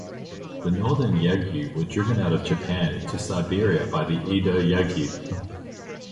The Northern Yagyu were driven out of Japan into Siberia by the Edo Yagyu.